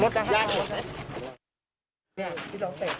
ครูไม่เห็นอะไรนะ